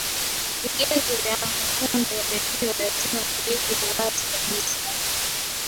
vigezo vya mkondo wa redio lazima viwekwe wazi kabisa